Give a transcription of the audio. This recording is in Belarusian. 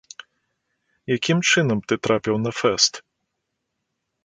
Якім чынам ты трапіў на фэст?